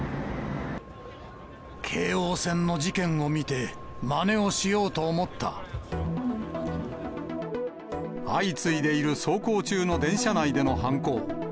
京王線の事件を見て、まねを相次いでいる走行中の電車内での犯行。